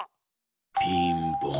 ピンポーン。